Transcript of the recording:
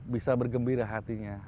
bisa bergembira hatinya